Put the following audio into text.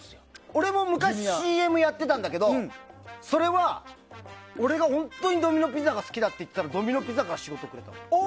俺も昔ＣＭやってたんだけどそれは俺が本当にドミノ・ピザが好きだって言ってたらドミノ・ピザから仕事をくれた。